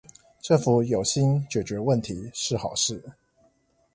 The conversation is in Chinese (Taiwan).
政府有心解決問題是好事